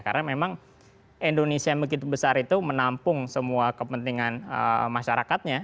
karena memang indonesia yang begitu besar itu menampung semua kepentingan masyarakatnya